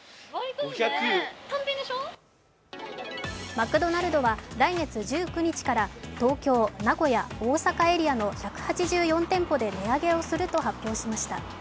マクドナルドは来月１９日から東京、名古屋、大阪エリアの１８４店舗で値上げをすると発表しました。